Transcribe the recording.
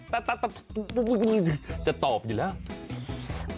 แต่จะตอบอยู่แล้ว